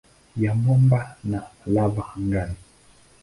ya mwamba na lava angani.